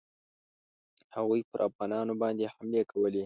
هغوی پر افغانانو باندي حملې کولې.